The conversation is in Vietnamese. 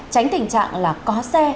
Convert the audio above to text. tránh tình trạng là có xe